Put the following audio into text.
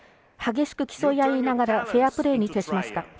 激しく競い合いながらフェアプレーに徹しました。